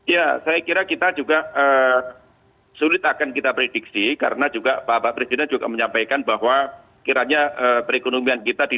ya saya kira kita juga sulit akan kita prediksi karena juga bapak presiden juga menyampaikan bahwa kiranya perekonomian kita di